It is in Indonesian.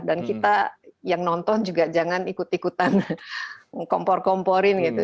dan kita yang nonton juga jangan ikut ikutan kompor komporin gitu